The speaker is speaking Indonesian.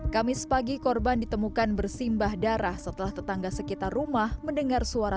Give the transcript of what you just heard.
kamis pagi korban ditemukan bersimbah darah setelah tetangga sekitar rumah mendengar suara